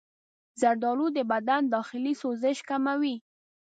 زردآلو د بدن داخلي سوزش کموي.